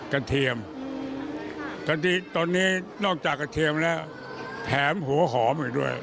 เทียมกระเทียตอนนี้นอกจากกระเทียมแล้วแถมหัวหอมอีกด้วย